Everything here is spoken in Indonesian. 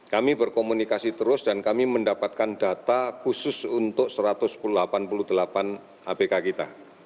kami berkomunikasi terus dan kami mendapatkan data khusus untuk satu ratus delapan puluh delapan abk kita